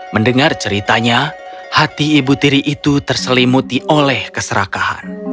mendengar ceritanya hati ibu tiri itu terselimuti oleh keserakahan